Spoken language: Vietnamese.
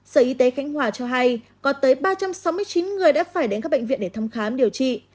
sở y tế khánh hòa cho hay có tới ba trăm sáu mươi chín người đã phải đến các bệnh viện để thăm khám điều trị